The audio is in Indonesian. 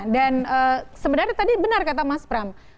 dan sebenarnya tadi benar kata mas pram